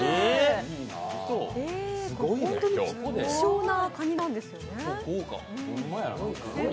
本当に希少なカニなんですよね。